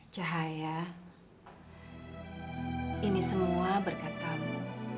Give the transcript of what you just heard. cahaya ini semua berkat kamu